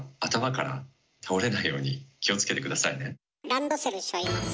ランドセルしょいます。